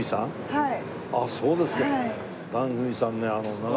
はい。